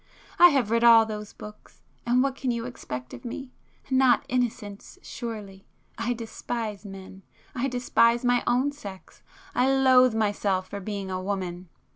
I have read all those books,—and what can you expect of me? Not innocence, surely! I despise men,—I despise my own sex,—I loathe myself for being a woman!